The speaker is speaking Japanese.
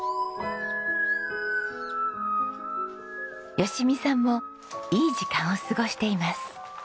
吉美さんもいい時間を過ごしています。